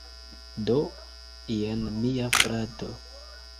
Do, jen mia frato